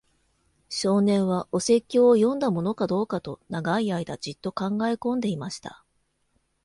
少年は、お説教を読んだものかどうかと、長い間じっと考えこんでいました。